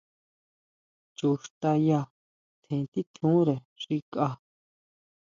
Chu xtaya tjen titjure xi kʼa.